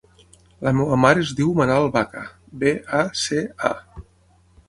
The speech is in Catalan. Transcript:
La meva mare es diu Manal Baca: be, a, ce, a.